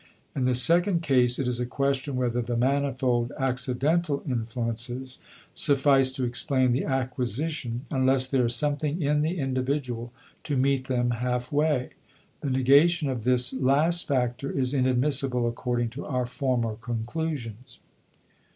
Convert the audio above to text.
In the second case it is a question whether the manifold accidental influences suffice to explain the acquisition unless there is something in the individual to meet them half way. The negation of this last factor is inadmissible according to our former conclusions.